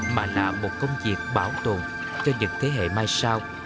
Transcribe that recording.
mà là một công việc bảo tồn cho những thế hệ mai sau